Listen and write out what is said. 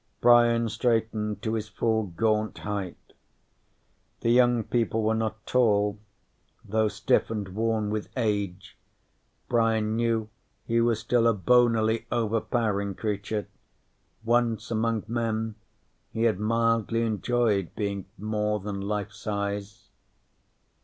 _Brian straightened to his full gaunt height. The young people were not tall; though stiff and worn with age, Brian knew he was still a bonily overpowering creature. Once, among men, he had mildly enjoyed being more than life size.